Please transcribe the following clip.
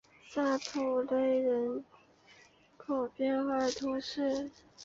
瑟普瓦人口变化图示